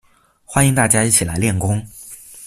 欢迎大家一起来练功